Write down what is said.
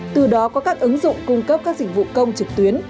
từ đó có các ứng dụng cung cấp các dịch vụ công trực tuyến